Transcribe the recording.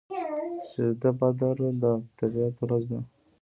سیزده بدر د طبیعت ورځ ده.